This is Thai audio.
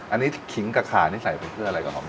อันนี้ขิงกับขานี่ใส่ไปเพื่ออะไรกระหอม